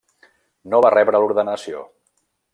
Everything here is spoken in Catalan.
No va rebre l'ordenació.